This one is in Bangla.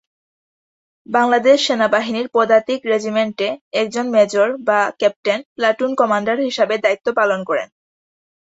বাংলাদেশ সেনাবাহিনীর পদাতিক রেজিমেন্টে একজন মেজর বা ক্যাপ্টেন প্লাটুন কমান্ডার হিসাবে দায়িত্ব পালন করেন।